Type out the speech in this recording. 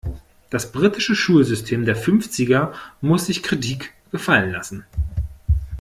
Das britische Schulsystem der Fünfziger muss sich Kritik gefallen lassen.